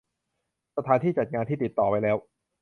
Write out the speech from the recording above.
สถานที่จัดงานที่ติดต่อไว้แล้ว